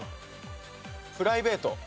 プライベート。